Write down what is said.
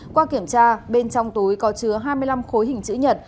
qua kiểm tra bên trong túi có chứa hai mươi năm khối hình chữ nhật